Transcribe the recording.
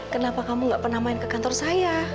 kenapa kamu gak pernah main ke kantor saya